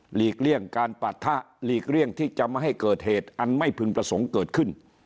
ลีกเลี่ยงการปะทะหลีกเลี่ยงที่จะไม่ให้เกิดเหตุอันไม่พึงประสงค์เกิดขึ้น